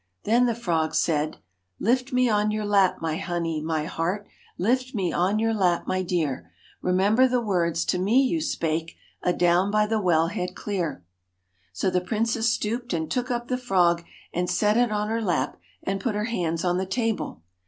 Then the frog said * Lift me on your lap, my honey, my heart, Lift me on your lap, my dear. Remember the words to me you spake, Adown by the wellhead clear.' So the princess stooped and took up the frog and set it on her lap and put her hands on the table.